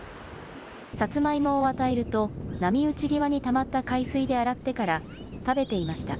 サツマイモを与えると波打ち際にたまった海水で洗ってから食べていました。